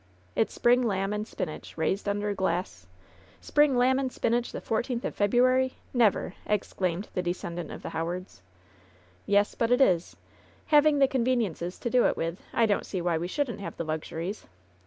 It's spring lamb and spinach, raised under glass ^^ "Spring lamb and spinach the fourteenth of Febru ary! Never!'' exclaimed the descendant of the How ards. "Yes, but it is. Having the conveniences to do it with, I don't see why we shouldn't have the luxuries.